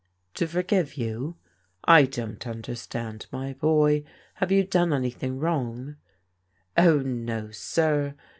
" To forgive you? I don't understand, my boy. Have you done anything wrong?" " Oh, no, sir.